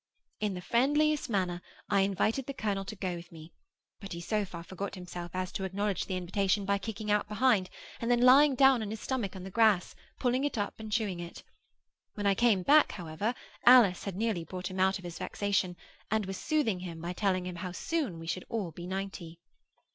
In the friendliest manner I invited the colonel to go with me; but he so far forgot himself as to acknowledge the invitation by kicking out behind, and then lying down on his stomach on the grass, pulling it up and chewing it. When I came back, however, Alice had nearly brought him out of his vexation, and was soothing him by telling him how soon we should all be ninety.